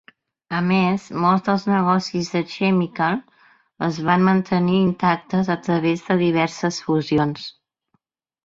A més, molts dels negocis de Chemical es van mantenir intactes a través de diverses fusions.